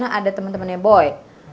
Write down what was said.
karena ada temen temennya boy